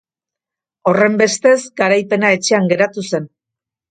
Horrenbestez, garaipena etxean geratu zen.